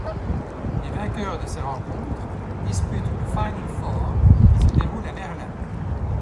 Les vainqueurs de ces rencontres disputent le Final Four, qui se déroule à Berlin.